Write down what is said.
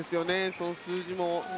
その数字も。